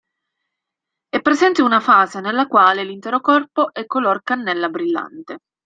È presente una fase nella quale l'intero corpo è color cannella brillante.